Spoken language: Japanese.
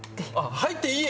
入っていい円！